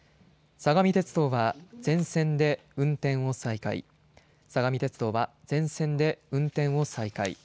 相模鉄道は全線で運転を再開相模鉄道は全線で運転を再開。